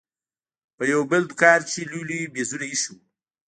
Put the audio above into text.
په يو بل دوکان کښې لوى لوى مېزونه ايښي وو.